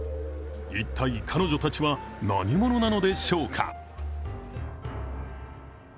一体彼女たちは何者なのでしょうか。